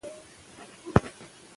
هغه به تر ماښامه خبرې کړې وي.